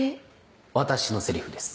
私のセリフです。